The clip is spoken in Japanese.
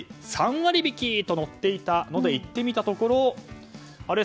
３割引きという広告が載っていたので行ってみたところであれ？